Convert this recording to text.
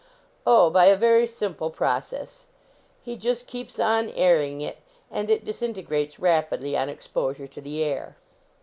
Oh, by a very simple process; he just keeps on airing it; and it disintegrates rapidly on exposure to the air.